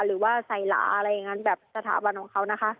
หรือว่าใส่หลาอะไรอย่างนั้นแบบสถาบันของเขานะคะ